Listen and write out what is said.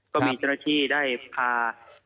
ก็มีเจ้าหน้าที่ได้พา